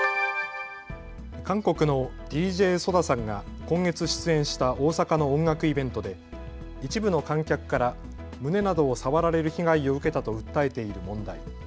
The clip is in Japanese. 韓国のＤＪＳＯＤＡさんが今月出演した大阪の音楽イベントで一部の観客から胸などを触られる被害を受けたと訴えている問題。